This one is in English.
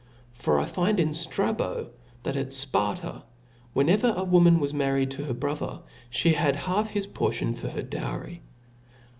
For <«}l^b.io« I find in Strabo ("), that at Sparta, whenever a wo man was married to her brother, (he had half his portion for her dowry.